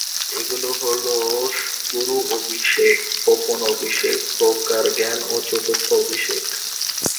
এগুলি হল গুরু অভিষেক, গোপন অভিষেক, প্রজ্ঞার জ্ঞান ও চতুর্থ অভিষেক।